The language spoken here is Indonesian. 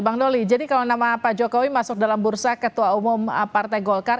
bang doli jadi kalau nama pak jokowi masuk dalam bursa ketua umum partai golkar